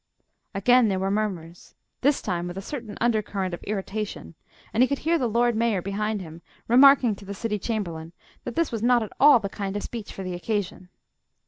Again there were murmurs, this time with a certain under current of irritation; and he could hear the Lord Mayor behind him remarking to the City Chamberlain that this was not at all the kind of speech for the occasion.